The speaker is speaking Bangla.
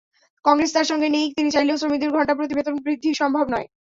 কংগ্রেস তাঁর সঙ্গে নেই, তিনি চাইলেও শ্রমিকদের ঘণ্টাপ্রতি বেতন বৃদ্ধি সম্ভব নয়।